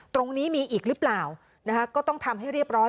ตรงนี้มีอีกหรือเปล่านะคะก็ต้องทำให้เรียบร้อย